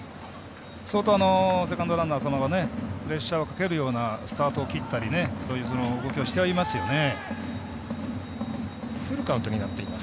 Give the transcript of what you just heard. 相当、セカンドランナー、淺間がプレッシャーかけるようなスタートを切ったりそういう動きをしてはいますよね。